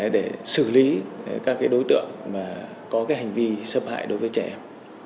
để xử lý các đối tượng có hành vi xâm hại đối với trẻ em